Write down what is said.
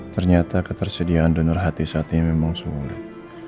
ternyata ketersediaan donor hati saat ini memang sulit